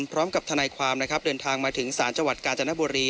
พร้อมกับธนาความเดินทางมาถึงสารจังหวัดกาจนบุรี